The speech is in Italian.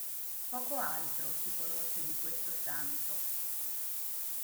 Poco altro si conosce di questo santo.